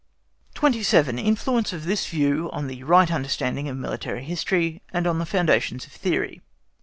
27. INFLUENCE OF THIS VIEW ON THE RIGHT UNDERSTANDING OF MILITARY HISTORY, AND ON THE FOUNDATIONS OF THEORY.